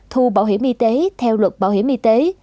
thu bảo hiểm y tế theo luật bảo hiểm y tế